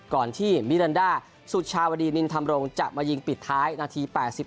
ก่อนที่มิรันดาสุชาวดีนินธรรมรงค์จะมายิงปิดท้ายนาที๘๔